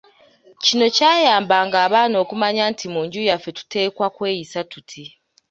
Kino kyayambanga abaana okumanya nti mu nju yaffe tuteekwa kweyisa tuti.